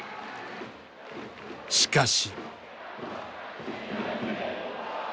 しかし。